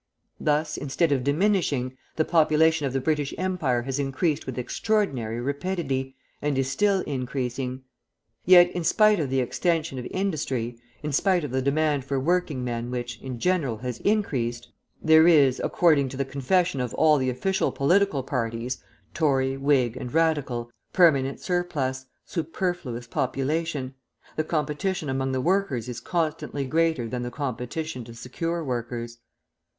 Thus, instead of diminishing, the population of the British Empire has increased with extraordinary rapidity, and is still increasing. Yet, in spite of the extension of industry, in spite of the demand for working men which, in general, has increased, there is, according to the confession of all the official political parties (Tory, Whig, and Radical), permanent surplus, superfluous population; the competition among the workers is constantly greater than the competition to secure workers.